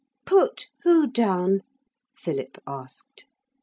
'Put who down?' Philip asked.